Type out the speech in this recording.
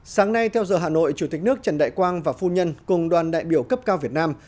sáng nay theo giờ hà nội chủ tịch nước trần đại quang và phu nhân cùng đoàn đại biểu cấp cao việt nam